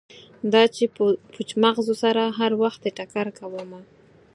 دا چې پوچ مغزو سره هروختې ټکر کومه